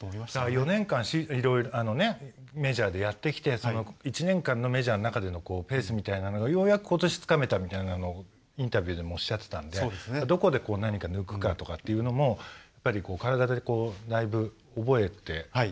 ４年間いろいろメジャーでやってきて１年間のメジャーの中でのペースみたいなのがようやくことしつかめたみたいなのをインタビューでもおっしゃってたのでどこで何か抜くかとかっていうのもやっぱり体でだいぶ覚えてきたってことなんですかね。